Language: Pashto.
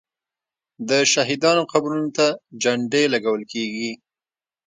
د شهیدانو قبرونو ته جنډې لګول کیږي.